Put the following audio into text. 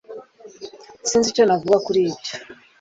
Sinzi icyo navuga kuri ibyo